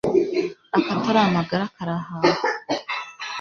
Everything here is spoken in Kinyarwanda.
akatari amagara karahahwa